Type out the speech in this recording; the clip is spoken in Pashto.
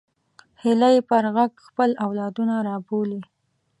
هیلۍ پر غږ خپل اولادونه رابولي